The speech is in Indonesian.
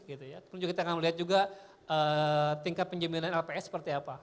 kemudian juga kita akan melihat juga tingkat penjaminan lps seperti apa